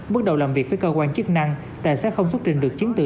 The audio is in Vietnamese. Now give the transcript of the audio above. bước đầu làm việc với cơ quan chức năng tài xác không xuất trình được chiến tự